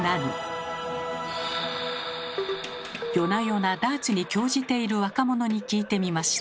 夜な夜なダーツに興じている若者に聞いてみました。